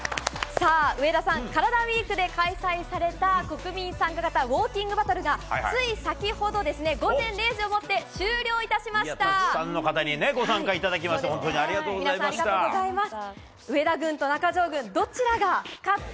上田さん、カラダＷＥＥＫで開催された国民参加型ウォーキングバトルがつい先ほど、午前０時をもってたくさんの方にご参加いただきましてありがとうございました。